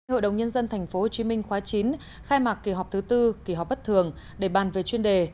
hội đồng nhân dân tp hcm khóa chín khai mạc kỳ họp thứ tư kỳ họp bất thường để bàn về chuyên đề